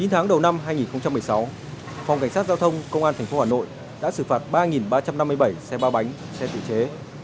chín tháng đầu năm hai nghìn một mươi sáu phòng cảnh sát giao thông công an tp hà nội đã xử phạt ba ba trăm năm mươi bảy xe ba bánh xe tự chế